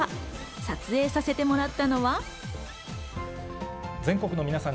撮影させてもらったのは。